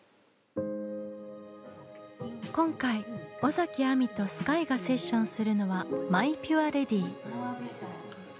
今回尾崎亜美とＳＫＹＥがセッションするのは「マイ・ピュア・レディ」。